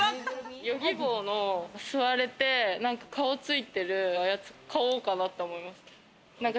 Ｙｏｇｉｂｏの座れて顔ついてるやつ買おうかなって思いました。